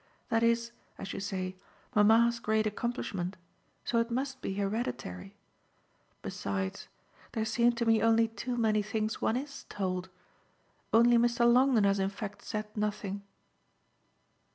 That IS, as you say, mamma's great accomplishment, so it must be hereditary. Besides, there seem to me only too many things one IS told. Only Mr. Longdon has in fact said nothing."